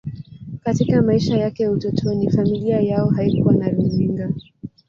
Katika maisha yake ya utotoni, familia yao haikuwa na runinga.